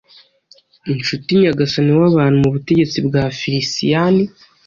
Inshuti-nyagasani wabantu mubutegetsi bwa Frisiyani